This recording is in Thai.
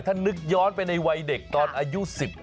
ถ้านึกย้อนไปในวัยเด็กตอนอายุ๑๗